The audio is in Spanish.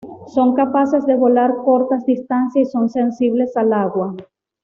Son capaces de volar cortas distancias y son sensibles al agua.